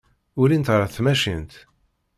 Ulint ɣer tmacint.